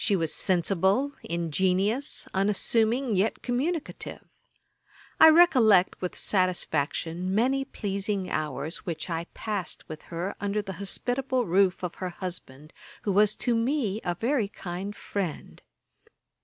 She was sensible, ingenious, unassuming, yet communicative. I recollect, with satisfaction, many pleasing hours which I passed with her under the hospitable roof of her husband, who was to me a very kind friend.